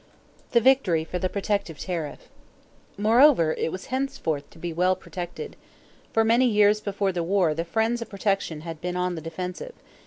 =The Victory for the Protective Tariff.= Moreover, it was henceforth to be well protected. For many years before the war the friends of protection had been on the defensive.